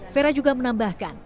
fera juga menambahkan